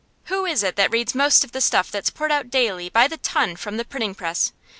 Who is it that reads most of the stuff that's poured out daily by the ton from the printing press?